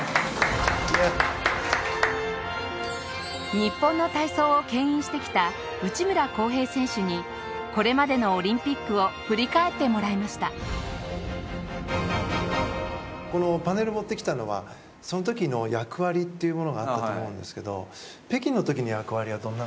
日本の体操をけん引してきた内村航平選手にこれまでのオリンピックを振り返ってもらいました松岡：このパネル持ってきたのはその時の役割っていうものがあったと思うんですけど北京の時の役割は、どんな。